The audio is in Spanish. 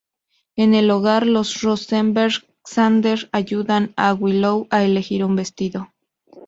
En el hogar de los Rosenberg, Xander ayuda a Willow a elegir un vestido.